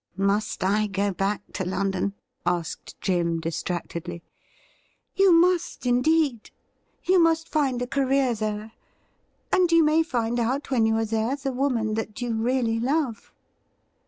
' Must I go back to London ?' asked Jim distractedly. ' You must indeed. You must find a career there, and you may find out when you are there the woman that you. really love.'